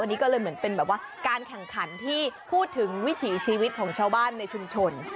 อันนี้ก็เลยเหมือนเป็นแบบว่าการแข่งขันที่พูดถึงวิถีชีวิตของชาวบ้านในชุมชน